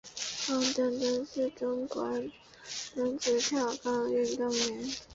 王舟舟是中国男子跳高运动员。